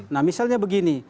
nah misalnya begini